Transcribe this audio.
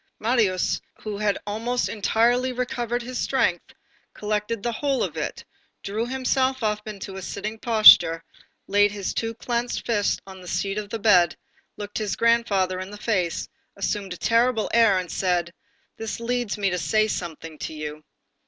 Marius, who had almost entirely recovered his strength, collected the whole of it, drew himself up into a sitting posture, laid his two clenched fists on the sheets of his bed, looked his grandfather in the face, assumed a terrible air, and said: "This leads me to say something to you."